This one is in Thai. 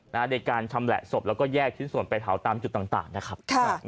ในการชำแหละศพแล้วก็แยกชิ้นส่วนไปเผาตามจุดต่างนะครับ